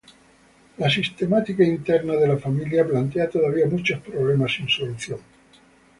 La sistemática interna de la familia plantea todavía muchos problemas sin solución, p.